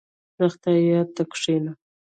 • د خدای یاد ته کښېنه.